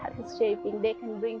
pemerintah yang berkembang